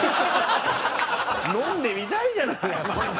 飲んでみたいじゃない。